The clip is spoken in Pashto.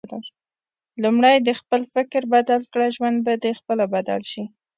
لومړی د خپل فکر بدل کړه ، ژوند به د خپله بدل شي